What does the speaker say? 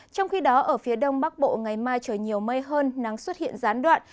trong khi đó ở phía đông bắc bộ ngày mai trời nhiều mây hơn nắng xuất hiện gián đoạn